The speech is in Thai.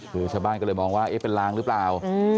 คือชาวบ้านก็เลยมองว่าเป็นลางหรือเปล่า